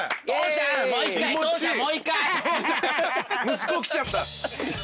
息子来ちゃった。